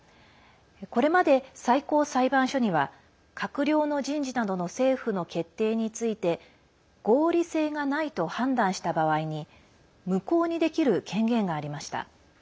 これまで最高裁判所には閣僚の人事などの政府の決定について合理性がないと判断した場合に無効にできる権限がありました。